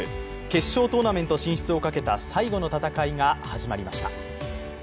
決勝トーナメント進出をかけた最後の戦いが始まりました。